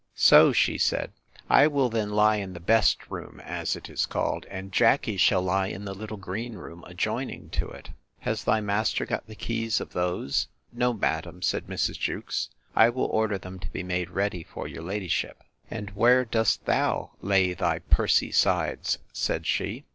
So she said, I will then lie in the best room, as it is called; and Jackey shall lie in the little green room adjoining to it. Has thy master got the keys of those?—No, madam, said Mrs. Jewkes: I will order them to be made ready for your ladyship. And where dost thou lay the pursy sides? said she.